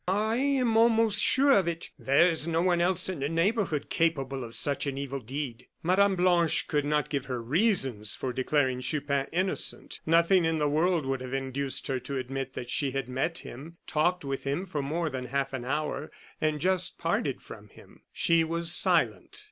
"Ah! I am almost sure of it. There is no one else in the neighborhood capable of such an evil deed." Mme. Blanche could not give her reasons for declaring Chupin innocent. Nothing in the world would have induced her to admit that she had met him, talked with him for more than half an hour, and just parted from him. She was silent.